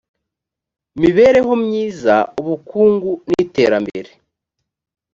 mibereho myiza ubukungu n iterambere